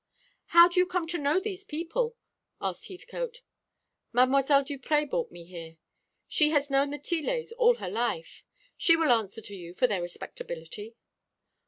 "How did you come to know these people?" asked Heathcote. "Mdlle. Duprez brought me here. She has known the Tillets all her life. She will answer to you for their respectability."